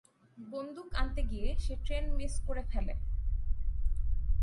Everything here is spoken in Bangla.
বন্দুক আনতে গিয়ে সে ট্রেন মিস করে ফেলে।